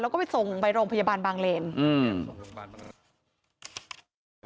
แล้วก็ไปส่งไปโรงพยาบาลบางเลนอืม